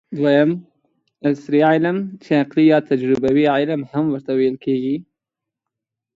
دویم : عصري علم چې عقلي یا تجربوي علم هم ورته ويل کېږي